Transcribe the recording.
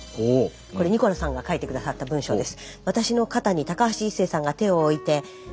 これニコラさんが書いて下さった文章です。